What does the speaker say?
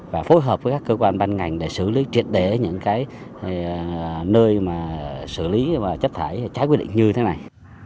và phối hợp với các cơ quan ban ngành để xử lý triệt để những nơi xử lý chất thải sai quy định như thế này